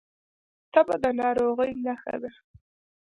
تبه د ناروغۍ نښه ده